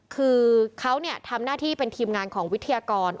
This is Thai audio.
คือเขาทำหน้าที่เป็นทีมงานของวิทยากร